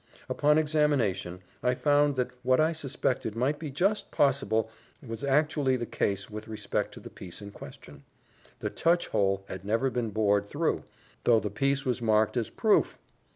Upon examination, I found that what I suspected might be just possible was actually the case with respect to the piece in question the touch hole had never been bored through, though the piece was marked as proof!